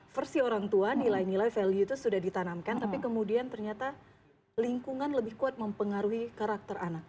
versi orang tua nilai nilai value itu sudah ditanamkan tapi kemudian ternyata lingkungan lebih kuat mempengaruhi karakter anak